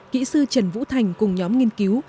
kỹ sư trần vũ thành cùng nhóm nghiên cứu